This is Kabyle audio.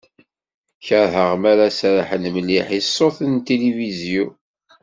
Kerheɣ mi ara serḥen mliḥ i ṣṣut n tilifizyu.